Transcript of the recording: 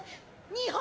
日本？